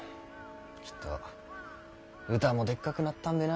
きっとうたもでっかくなったんべな。